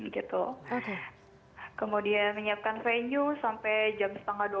kemudian menyiapkan venue sampai jam dua belas tiga puluh